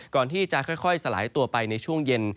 ก่อนที่จะค่อยสลายตัวไปในช่วงเย็น